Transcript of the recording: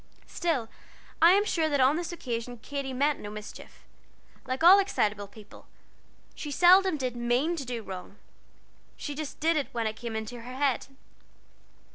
Still, I am sure that on this occasion Katy meant no mischief. Like all excitable people she seldom did mean to do wrong, she just did it when it came into her head.